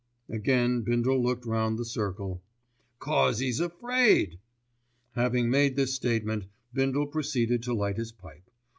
Again Bindle looked round the circle. "'Cause 'e's afraid!" Having made this statement Bindle proceeded to light his pipe.